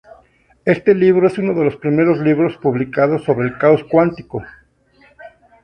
Este libro es uno de los primeros libros publicados sobre caos cuántico.